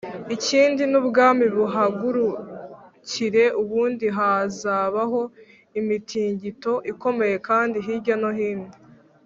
ikindi n ubwami buhagurukire ubundi hazabaho imitingito ikomeye kandi hirya no hino